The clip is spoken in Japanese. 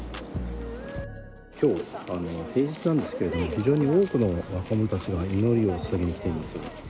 今日は平日なんですけれども非常に多くの若者たちが祈りをささげに来ています。